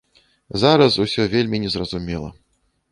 Зараз усё вельмі незразумела.